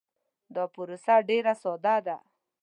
دا پروسه ډیر ساده ده.